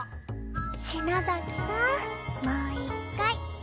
篠崎さんもう一回あん。